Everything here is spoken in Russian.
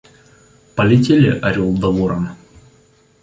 Полетели орел да ворон.